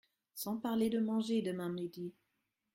Sans parler de manger demain midi.